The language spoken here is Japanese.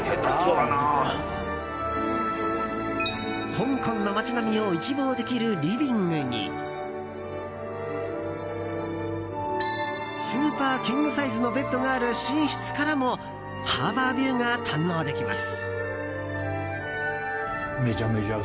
香港の街並みを一望できるリビングにスーパーキングサイズのベッドがある寝室からもハーバービューが堪能できます。